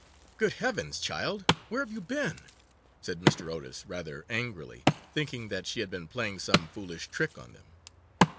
'Good heavens! child, where have you been?' said Mr. Otis, rather angrily, thinking that she had been playing some foolish trick on them.